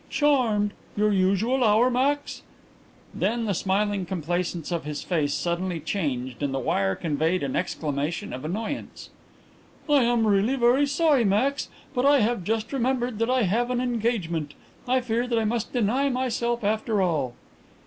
"Charmed. Your usual hour, Max?" Then the smiling complacence of his face suddenly changed and the wire conveyed an exclamation of annoyance. "I am really very sorry, Max, but I have just remembered that I have an engagement. I fear that I must deny myself after all."